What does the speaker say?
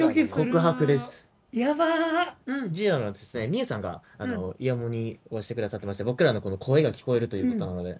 美佑さんがイヤモニをしてくださってまして僕らのこの声が聞こえるということなので。